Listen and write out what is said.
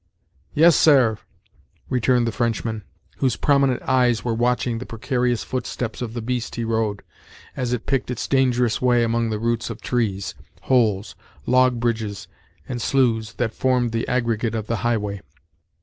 "Yes sair," returned the Frenchman, whose prominent eyes were watching the precarious footsteps of the beast he rode, as it picked its dangerous way among the roots of trees, holes, log bridges, and sloughs that formed the aggregate of the highway.